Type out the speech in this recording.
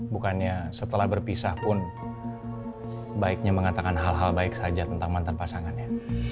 bukannya setelah berpisah pun baiknya mengatakan hal hal baik saja tentang mantan pasangannya